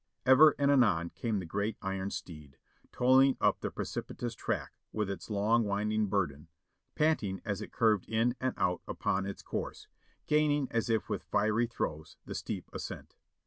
Ever and anon came the great iron steed, toiling up the pre cipitous track with its long, winding burden, panting as it curved in and out upon its course, gaining as if with fiery throes the steep ascent.